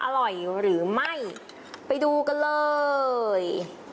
อร่อยหรือไม่ไปดูกันเลย